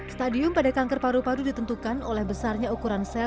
stadium pada kanker paru paru ditentukan oleh besarnya ukuran sel